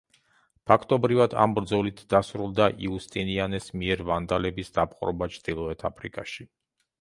ფაქტობრივად ამ ბრძოლით დასრულდა იუსტინიანეს მიერ ვანდალების დაპყრობა ჩრდილოეთ აფრიკაში.